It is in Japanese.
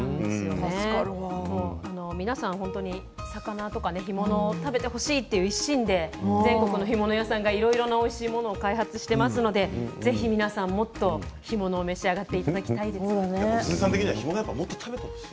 皆さん本当に魚や干物を食べてほしいという一心で全国の干物屋さんがいろいろ、おいしい干物を開発していますので、ぜひ皆さんもっと干物を召し上がっていただきたいです。